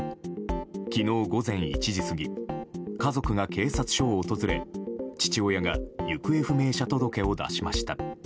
昨日午前１時過ぎ家族が警察署を訪れ父親が行方不明者届を出しました。